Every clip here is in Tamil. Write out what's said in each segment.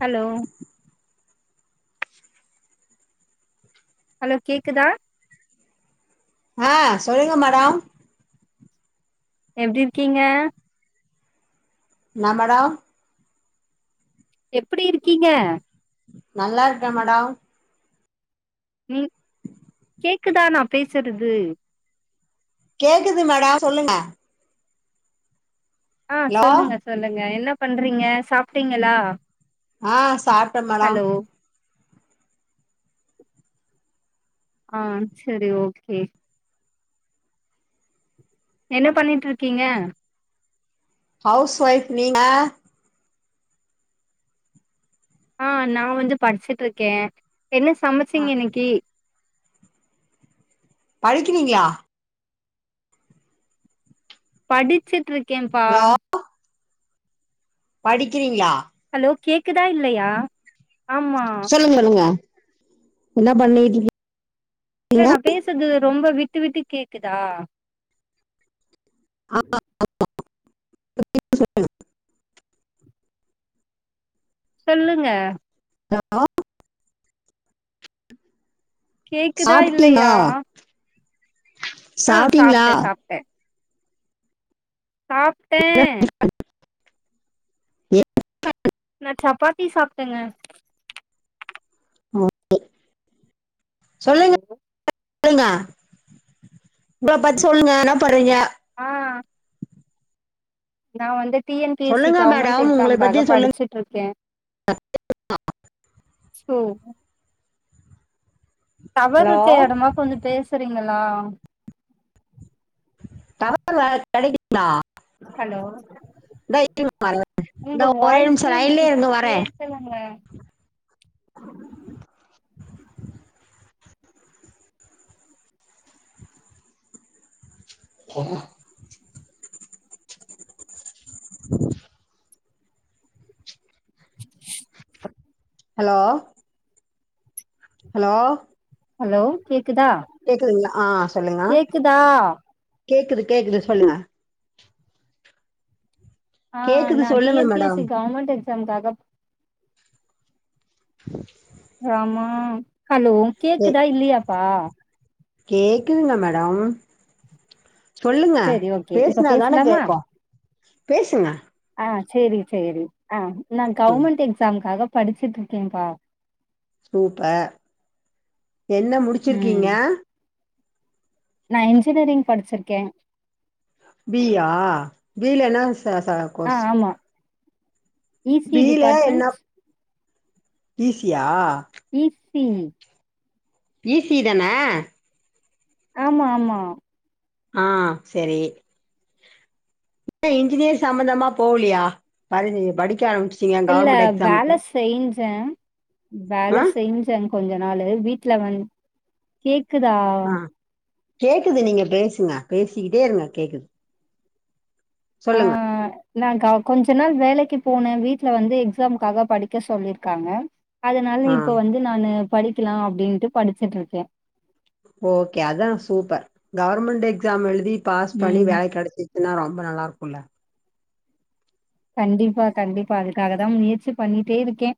ஹலோ ஹலோ கேக்குதா ஆ சொல்லுங்க மேடம் எப்டி இருக்கீங்க என்ன மேடம் எப்பிடி இருக்கீங்க நல்லா இருக்க மேடோ ம் கேக்குதா நா பேசுறது கேக்குது மேடம் சொல்லுங்க ஆ ஹலோ சொல்லுங்க சொல்லுங்க என்ன பண்றீங்க சாப்ட்டீங்களா ஆஹ் சாப்ட்ட மேடோ ஹலோ ஆ செரி ஓகே என்ன பண்ணிட்ருக்கீங்க ஹவுஸ் ஒய்ஃப் நீங்க ஆ நான் வந்து படிச்சுட்ருக்கே என்ன ஆ சமச்சீங்க இன்னிக்கி படிக்கிறீங்ளா படிச்சுட்ருக்கேன்ப்பா படிக்கிறீங்ளா ஹலோ கேக்குதா இல்லையா ஆமா சொல்லுங் சொல்லுங்க என்ன பண்ணிட்ருக்கி இல்ல நான் பேசுறது ரொம்ப விட்டு விட்டு கேக்குதா [inaudible] சொல்லுங்க ஹலோ கேக்குதா சாப்ட்டீங்களா இல்லையா ஆ சாப்ட்டீங்களா சாப்பட்டே சாப் சாப்ட்டே எ [unintelligible] நா சப்பாத்தி சாப்பிட்டேங்க ஓகே சொல்லுங்க ஹலோ சொல்லுங்க உங்களா பத்தி சொல்லுங்க என்ன பண்ணுறீங்க ஆ நா வந்து டிஎன் பிசி சொல்லுங்க கவர்மெண்ட் மேடம் உங்கள பத்தி எக்ஸாம்க்காக சொல்லுங்க படிச்சு இருக்க சோ டவர் ஹலோ இருக்குற இடமா கொஞ்ச பேசுறீங்களா டவர் வேற கிடைக்கலயா ஹலோ வரே உங்க இந்தா ஒரே வாய்சே நிமிஷோ எனக்கு லைன்லயே இருங்க வரே கேகலங்க ஆஹ ஹலோ ஹலோ ஹலோ கேக்குதா கேக்குதுங்களா ஆ சொல்லுங்க கேக்குதா கேக்குது கேக்குது சொல்லுங்க ஆ கேக்குது நா டி சொல்லுங்க N P S madam C government எக்ஸாம்காக ராமா ஹலோ கே கேக்கு தா இல்லியாப்பா கேக்குதுங்க மேடம் சொல்லுங்க செரி ஓகே இப்ப பேசுனா தானே பேசலாமா கேட்கோ பேசுங்க ஆ சரி சரி ஆ நா ம் கவர்மெண்ட் எக்ஸாம்காக படிச்சுட்டு இருக்கே பா சூப்பர் என்ன ம் முடிச்சிருக்கீங்க நா இன்ஜினியரிங் படிச்சிருக்கே பீ இ யா பீ இல என்ன ச ச ஆ கோர்ஸ் ஆமா இ சி பி டிபார்ட்மெண்ட் இ சியா ஈசி இ சிதானே ஆமா ஆமா ஆ சரி இன்ஜினியரிங் சம்பமந்தமா போலையா படிக்க ஆரம்பிச்சிட்டிங்க இல்ல கவர்மெண்ட் வேல எக்ஸாமுக்கு செஞ்சே வேல ஆ செஞ்சே கொஞ்ச நாளு வீட்டுல வந்து கேக்குதா ஆ கேக்குது நீங்க பேசுங்க பேசிக்கிட்டே இருங்க கேக்குது ஆ சொல்லுங்க நா கொஞ்ச நாள் வேலைக்கு போனே வீட்டுல வந்து எக்ஸாம்காக படிக்க சொல்லிருக்காங்க அதனால ஆ இப்ப வந்து நானு படிக்கலா அப்டின்ட்டு படிச்சுட்டு இருக்கே ஓகே அதா சூப்பர் கவர்மெண்ட் எக்ஸா எழுதி பாஸ் பண்ணி ம் வேல கிடைச்சி ன்னா ரொம்ப நல்லா இருக்கும்ல கண்டிப்பா கண்டிப்பா அதுக்காக தா முயற்சி பண்ணிட்டே இருக்கே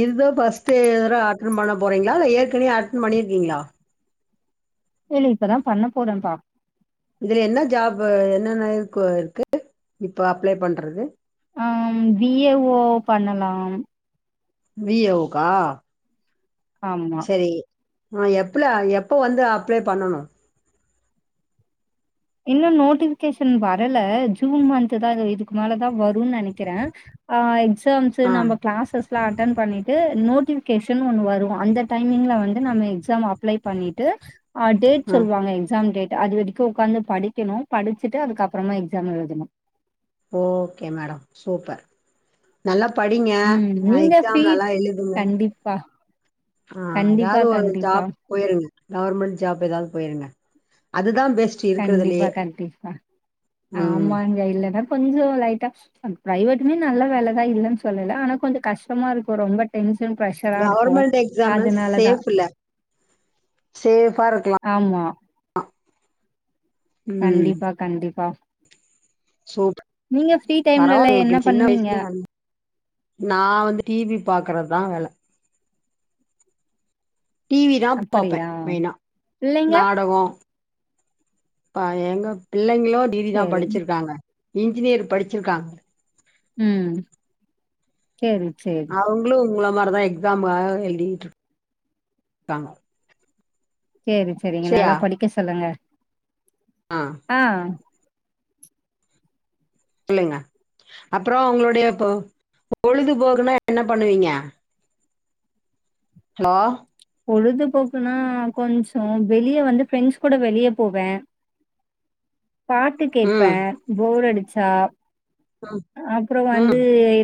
இதுதோ ஃபர்ஸ்ட்டு அட்டென் பண்ண போறீங்களா இல்ல ஏற்கனவே அட்டன் பண்ணியிருக்கீங்ளா இல்ல இல்ல இப்பதா பண்ண போறேப்பா இதுல என்ன ஜாப் என்னென்ன இருக்கு இப்ப அப்ளை பண்றது ஆ பிஏஓ பண்ணலாம் விஒவுக்கா ஆமா சரி எப்புல எப்ப வந்து அப்ளை பண்ணணு இன்னு நோட்டிஃபிகேஷன் வரல ஜூன் மந்த் தா இதுக்கு மேலதா வருன்னு நினைக்கிறே ஆ எக்ஸாம்ஸு ஆ நம்ம கிளாஸஸ் அட்டன் பண்ணிட்டு நோட்டிஃபிகேஷன் ஒன்னு வரு அந்த டைமிங்ல வந்து நம்ம எக்ஸாம் அப்ளை பண்ணிட்டு ஆ டேட் ஆ சொல்லுவாங்க எக்ஸாம் டேட் அது வரைக்கு உக்காந்து படிக்கணு படிச்சுட்டு அதுக்கப்றமா எக்ஸாம் எழுதணு ஓகே மேடம் சூப்பர் நல்லா படிங்க ம் நீங்க ஃப்ரீ எக்ஸாம் நல்லா எழுதுங்க கண்டிப்பா, ஆ கண்டிப்பா, எதாவ்து ஒரு கண்டிப்பா, ஜாப் போயிருங்க கவர்மெண்ட் ஜாப் எதாவ்து போயிருங்க அதுதா பெஸ்ட் கண்டிப்பா இருக்கறதுலயே கண்டிப்பா ம் ஆமாங்க இல்லனா கொஞ்ச லைட்டா பிரைவட்டுமே நல்ல வேலதா இல்லன்னு சொல்லல ஆனா கொஞ்சோ கஷ்டமா இருக்கு ரொம்ப டென்ஷன் பிரஷரா இருக்கு கவர்மெண்ட் எக்ஸாம்னா அதனாலதா சேஃப்ல சேஃபா இருக்கலா ஆமா ம் கண்டிப்பா கண்டிப்பா சூப் நீங்க ஃப்ரீ டைம்லலா பரவாலயே என்ன இப்டி சின்ன பண்ணுவீங்க வயசுலயே நல் நா வந்து டிவி பாக்கறதுதா வேல டிவி தா பாப்பே அப்படியா மெயினா பிள்ளைங்க நாடகோ எங்க பிள்ளைங்களு டிகிரிதா சேரி படிச்சிருக்காங்க இன்ஜினியர் படிச்சிருக்காங்க ம் சேரி சேரி அவங்களு உங்கள மாரி தா எக்ஸாமா எழுதிட்டு இருப்பாங்க சேரி சேரிங்க நல்லா படிக்க சொல்லுங்க ஆஹ் ஆஹ் இல்லங்க அப்புறோ உங்களுடைய பொழுதுபோக்குனா என்ன பண்ணுவீங்க ஹலோ பொழுதுபோக்குன்னா கொஞ்சோ வெளிய வந்து பிரஃரெண்ட்ஸ் கூட வெளிய போவே பா பாட்டு கேப்பே ம் போர் அடிச்சா ம் அப்புறோ வந்து ம்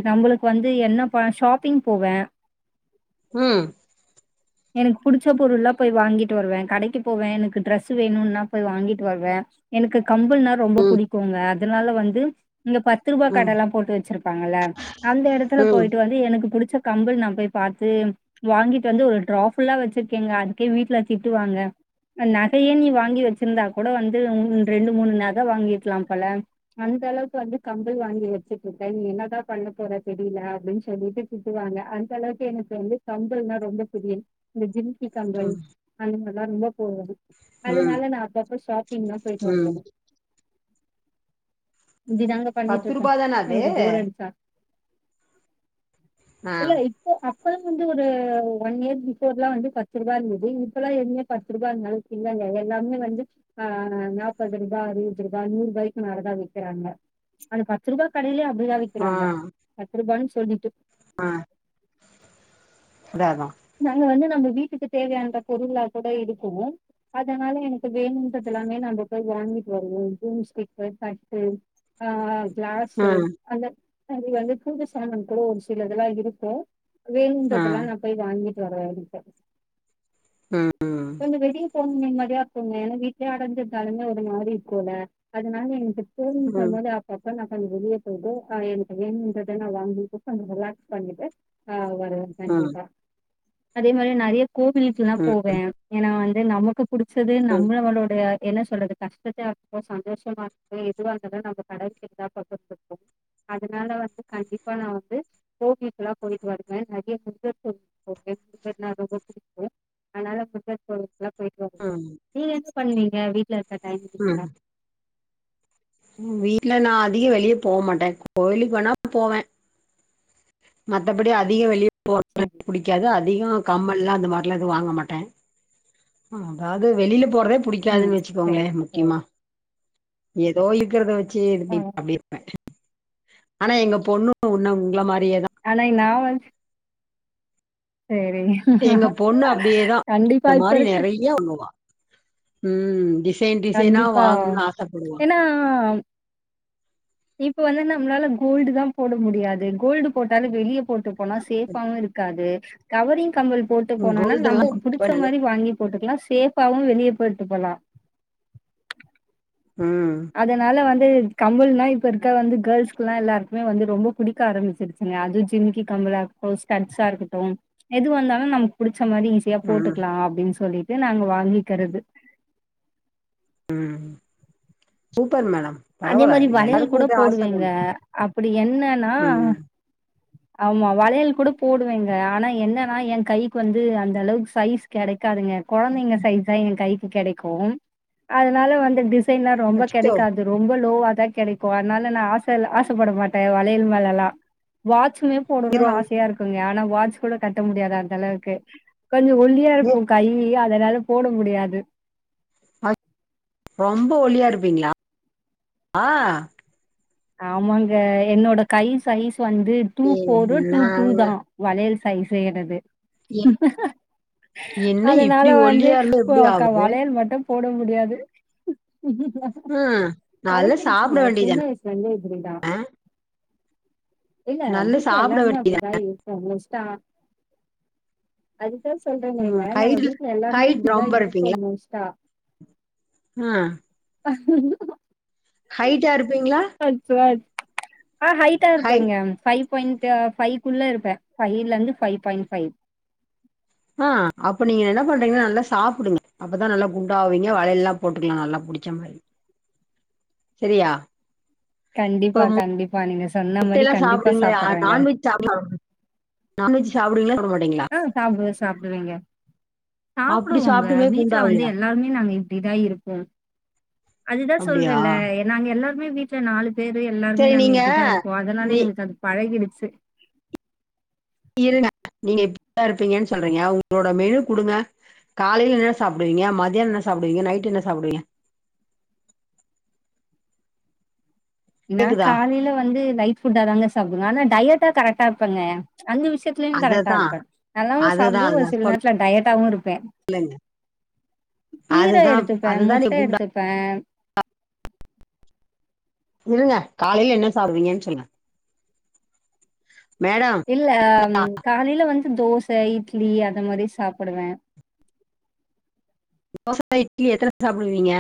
நம்மளுக் வந்து என்ன ப ஷாப்பிங் போவே உம் எனக்கு பிடிச்ச பொருள்ல்லா போய் வாங்கிட்டு வருவே கடைக்கு போவே எனக்கு டிரரெஸு வேணுன்னா போய் வாங்கிட்டு வருவே எனக்கு கம்பள்ன்னா ரொம்ப பிடிக்குங்க அதனால வந்து இங்க பத்துருவா ம் கடல்லா போட்டு வச்சிருப்பாங்கல்ல அந்த எடத்துல ம் போய்ட்டு வந்து எனக்கு பிடிச்ச கம்பள் நா போய் பாத்து வாங்கிட்டு வந்து ஒரு ட்ராஃபுல்லா வச்சிருக்கேங்க அதுக்கே வீட்டுல திட்டுவாங்க நகையே நீ வாங்கி வச்சிருந்தா கூட வந்து உ ரெண்டு மூணு நகை வாங்கிருக்லா போல அந்த அளவுக்கு வந்து கம்பல் வாங்கி வச்சுட்டு இருக்க நீ என்னதா பண்ண போற தெரியல அப்டின்னு சொல்லிட்டு திட்டுவாங்க அந்த அளவுக்கு எனக்கு வந்து கம்பல்னா ரொம்ப புரியன் இந்த ஜிம்கிக் அங்க ம் அங்க எல்லா ரொம்ப போது ம் அதுனால நா அப்பப்ப ஷாப்பிங்லாம் போயிட்டு ம் வருவே இப்டி தாங்க பண்ணிட்டு பத்து இருக்கே ரூபா தான அது எனக்கு போர் அடிச்சா ஆ இல்ல இப்போ அப்றோம் வந்து ஒரு ஒன் இயர் பிஃபோர்லாம் வந்து பத்து ருபா இருந்தது இப்பல்லா எதுமே பத்து ருபாஇருந்தால இல்ல எல்லாமே வந்து ஆஎன்னா பண்றீங்கனா அறுபது ரூபா நூறு ரூபாய்க்கு மேல தா விக்கிறாங்க அது பத்து ரூபாய் கடையிலயே அப்டிதா ஆ வக்கிறாங்க பத்து ரூபானு சொல்லிட்டு ஆ அதாமா நாங்க வந்து நம்ம வீட்டுக்கு தேவையான பொருளா கூட இருக்கு அதனால எனக்கு வேணுன்றது எல்லாமே நம்ம போய் வாங்கிட்டு வருவோம் ஜிம்ஸ்டிக் தட்டு ஆ கிளாஸ் ம் அந்த அது வந்து கூது சாமன் கூட ஒரு சிலதுல்லா இருக்கு ஆ வேணுன்றதெல்லா நா போய் வாங்கிட்டு வர்ற வரைக்கும் ஆ கொஞ்சம் வெளியே போம் நிம்மதியா இருக்குங்க ஏன்னா வீட்லயே அடைஞ்சிருந்தாலுமே ஒரு மாதிரி இருக்கும்ல அதுனால இங்க ஃபோன் ம் பண்ணல அப் அப்ப நாங்க வெளிய போயிட்டோம் அ எனக்கு வேணுங்றத த வாங்கிட் ரிலாஸ் பண்ணிட்டு ஆ வரும் வரும் ம் கண்டிப்பா அதே மாரி நெறைய கோவில் சொன்னா ம் போவேன் ஏன்னா வந்து நமக்கு பிடிச்சது ம் நம்மளளோட என்ன சொல்றது கஷ்டத்தா இருக்கட்டும் சந்தோஷமா இருக்கட்டும் எதுவா இருந்தாலும் நம்ம கடவுள்கிட்டதா பந்து [unintelligible] க்கோம் அதுனால வந்து கண்டிப்பா நா வந்து கோவிலுக்குல்லா நா போயிட்டு வருவேன் நெறைய நெறைய கோவிலுக்கு [unintelligible] ரொம்ப புடிக்கும் அதனால சிவன் கோயிலுக்கு எல்லாம் போயிட்டு வருவேன் ம் நீங்கள் என்ன பண்ணுவீங்க வீட்டல இருக்குற டைமிங் ம் எல்லாம் வீட்ல நா அதிகோ வெளியே போ மாட்டே கோவிலுக்கு போனா போவே மத்தபடி அதிக வெளிய போ சரி க்காது அதிக கம்மால்லா அந்த மாரில்லா வாங்க மாட்டே அதாவது வெளியில போறதே ம் புடிக்காதுன் வச்சுக்கோங்களே சரி சரி முக்கியமா ஏதோ இருக்கிறத வச்சு ஆ, இ அப்டி இருப்பேன் ஆனா எங்க பொண்ணு ஒன்னு உங்கள மாரியேதான் ஆனா இ நா வன்ச் சரிங்க எங்க பொண்ணு அப்டியேதா இந்த இப்ப மாரி இருக்க நெறைய ஒண்ணுவா உம் டிசைன் டிசைனா கண்டிப்பா வாங்கணும்னு ஆசப்படுவா ஏன்னா இப்ப வந்து நம்ளால கோல்டு தா போட முடியாது கோல்டு போட்டாலு வெளிய போட்டு போனா சேஃபாவு இருக்காது கவரிங் கம்மல் போட்டு போனனா கோல்டு எல்லா நமக்கு இப்ப புடிச்ச நென மாரி வாங்கி போட்டுக்கலா சேஃப்பாவு வெளிய போட்டு போலா உம் அதனால வந்து கம்மல்னா இப்ப இருக்க வந்து கேர்ள்ஸ்க்குல்லா எல்லாருக்குமே வந்து ரொம்ப புடிக்க ஆரமிச்சிருச்சு அது ஜிமிக்கி கம்மளா இருக்கட்டும் ஸ்டட்ஸா இருக்கட்டு எது வந்தாலு நமக்கு புடிச்ச மாரி யூஸ் ம் போட்டுக்கலா அப்டினு சொல்லிட்டு நாங்க வாங்கிக்கறது உம் சூப்பர் மேடம் அதே பரவால்ல மாரி வளையல் எல்லாருக்கு கூட இதே ஆச தான போடுவேங்க அப்டி என்னன்னா ம் ஆமா வளையல் கூட போடுவேங்க ஆனா என்னன்னா என் கைக்கு வந்து அந்த அளவுக்கு சைஸ் கெடைக்காதுங்க கொழந்தைங்க சைஸ் தா ஏ கைக்கு கெடைக்கு அதனால வந்து [unintelligible] தேன்னா ரொம்ப அச்சச்சோ கெடைக்காது அது ரொம்ப லோவ தா கெடைக்கு அதனால நா ஆச ஆசப்பட மாட்டே வளையல் மேலல்லா வாட்ச்சு மேரி நீரோ போடணுனு ஆசையா இருக்குங்க ஆனா வாட்ச் கூட கட்ட முடியாது அந்த அளவுக்கு கொஞ்ச ஒல்லியா ஏ இருக்கு கையி அதனால போட முடியாது அ ரொம்ப ஒல்லியா இருப்பீங்ளா ஆ ஆமாங்க என்னோட கை சைஸ் வந்து டூ ஏ ஃபோரு டூ டூ நாங் தா வளையல் சைஸே என்னது எ என்ன அதனால இப்டி வந்து ஒல்லியா இருந்தா எப்டி ஓர்க்கா ஆவுறது வளையல் மட்டு போட முடியாது ம் நல்லா சாப்ட பழக்கிடுச்சுங்க சின்ன வேண்டியதான வயசு லருந்தே இப்டிதா இல்ல நல்லா வீட்ல சாப்ட எல்லாருமே வேண்டியதான அப்டிதா இருப் ஓ மோஸ்ட்டா அதுதா ம் சொல்றனேங்க நாங்க ஹைட்ல வீட்ல எல்லாருமே ஹைட் இப்டிதா ரொம்ப இருப்போ இருப்பீங்களா மோஸ்ட்டா ஆ ஹைட்டா இருப்பீங்ளா [unintelligible] ஆ ஹைட்டா ஹை இருப்பேங்க ஃபைவ் பாயிண்ட்டு ஃபைவ்குள்ள இருப்பே ஃபைவ்லந்து ஃபைவ் பாயிண்ட் ஃபைவ் ஆ அப்ப நீங்க என்ன பண்றீங்கனா நல்லா சாப்புடுங்க அப்பதா நல்லா குண்டாவீங்க வளையல்லா போட்டுக்கலா நல்லா புடிச்ச மாரி செரியா கண்டிப்பா கண்டிப்பா நீங்க சொன்ன மாரி கண்டிப்பா சாப்புட்றேங்க சாப்ட்லா நான்வெஜ் சாப்டுவிங்ளா சாப்ட மாட்டீங்ளா ஆ சாப்டுவே சாப்டுவேங்க அப்டி சாப்டுவோங்க சாப்ட்டுமே வீட்ல வந்து குண்டாவலயா எல்லாருமே நாங்க இப்டிதா இருப்போ அதுதா அப்டியா சொல்றேல்ல நாங்க எல்லாருமே வீட்ல நாலு பேரு எல்லாருமே சரி நாங்க நீங்க இப்டிதா இருப்போ அதனால நீ எங்களுக்கு அது பழகிடுச்சு இருங்க நீங்க இப்டிதா இருப்பீங்கன் சொல்றீங்க உங்களோட மெனு குடுங்க காலைல என்ன சாப்டுவீங்க மத்யான என்ன சாப்டுவீங்க நைட்டு என்ன சாப்டுவீங்க நா கேக்குதா காலைல வந்து லைட் ஃபுட்டா தாங்க சாப்டுங்க ஆனா டயட்டா கரெக்டா இருப்பங்க அந்த விஷ்யத் த்துலயு கரெக்டா அததா இருப்பே நல்லாவு அதுதா சாப்டு ஒரு அதா சில நேரத்ல டயட்டாவு இருப்பே சொல்லுங்க கீர அதுதா எடுத்துப்பே அதுதா நீ முட்ட குண்டா எடுத்துப்பே இருங்க காலைல என்ன சாப்டுவீங்கன் சொல்லுங்க மேடம் இல்ல காலைல வந்து தோச இட்லி அத மாரி சாப்புடுவே தோச இட்லி எத்தன சாப்டுவீங்க